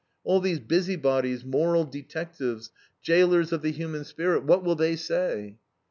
All these busybodies, moral detectives, jailers of the human spirit, what will they say?